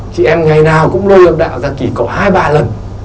chị em ngày nào cũng lôi âm đạo ra kỳ cọ hai ba lần